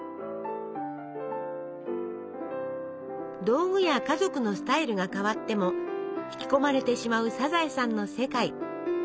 道具や家族のスタイルが変わっても引き込まれてしまう「サザエさん」の世界。